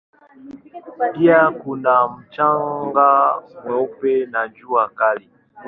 Pia kuna mchanga mweupe na jua kali.